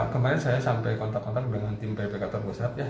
kemarin saya sampai kontak kontak dengan tim ppk terbosat